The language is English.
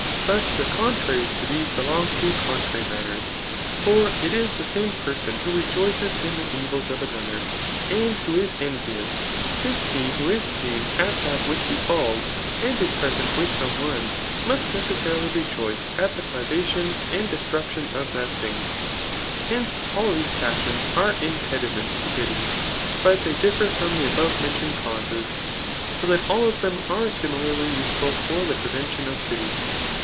f But the contraries to these belong to contrary man ners* For it is the same person who rejoices in the evils of another, and who is^nvious ; smce he who is p^ned CHAP. XI. AHETORlCi. I37« at dat vhieh biefak and is {MrcsBdut wilb tome ooe, mtet necessarily rqoice.at the pmadcm and destructicm of that thing. Hence, all these passions are impediments to pity ; but tfaejr differ hsom the abovenmentioned causes ; so that all of diem are stmilarly useful for the preventioa pf pity.